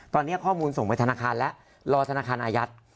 ตอนนี้ข้อมูลส่งไปธนาคารแล้วรอธนาคารอายัด